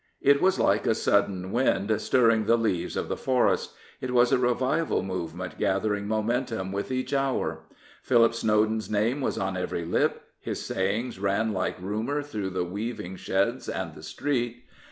It was like a sudden wind stirring the leaves of the forest. It was a revival movement gathering momentum with each hour. Philip Snowden's name was on every lip, his sayings ran like rumour through the weaving sheds and the street.